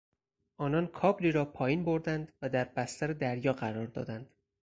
آنان کابلی را پایین بردند و در بستر دریا قرار دادند.